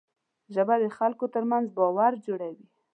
ژبه د خلکو ترمنځ باور جوړوي